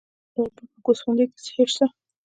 د سرپل په ګوسفندي کې څه شی شته؟